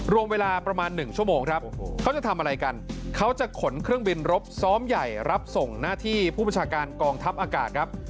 รวมเวลาประมาณ๑ชั่วโมงครับเขาจะทำอะไรกันเขาจะขนเครื่องบินรบซ้อมใหญ่รับส่งหน้าที่ผู้ประชาการกองทัพอากาศครับ